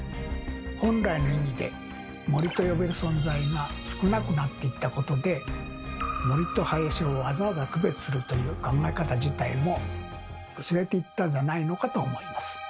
本来の意味で「森」と呼べる存在が少なくなっていったことで森と林をわざわざ区別するという考え方自体も薄れていったんじゃないのかと思います。